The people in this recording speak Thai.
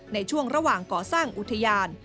ในช่วงระหว่างก่อสร้างอุทยาน